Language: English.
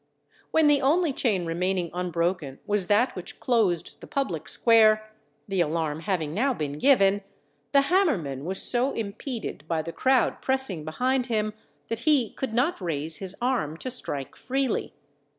When the only chain remaining unbroken was that which closed the public square, the alarm having now been given, the hammerman was so impeded by the crowd pressing behind him that he could not raise his arm to strike freely.